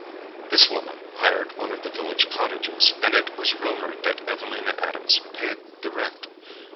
This woman hired one of the village cottages, and it was rumored that Evelina Adams paid the rent.